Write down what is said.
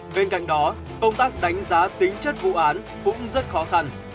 bên cạnh đó công tác đánh giá tính chất vụ án cũng rất khó khăn